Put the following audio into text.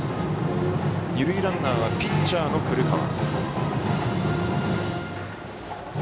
二塁ランナーはピッチャーの古川。